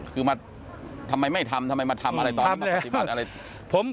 คือมาทำไมไม่ทำทำไมมาทำอะไรตอนที่มาปฏิบัติอะไร